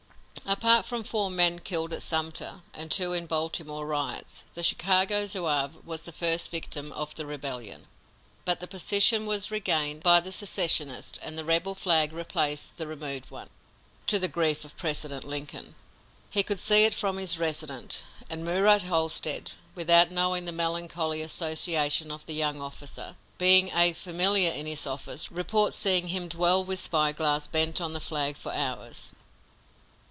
Apart from four men killed at Sumter and two in the Baltimore riots, the Chicago Zouave was the first victim of the rebellion. But the position was regained by the secessionists, and the rebel flag replaced the removed one, to the grief of President Lincoln. He could see it from his residence, and Murat Halstead, without knowing the melancholy association of the young officer, being a familiar in his office, reports seeing him dwell with spyglass bent on the flag, for hours.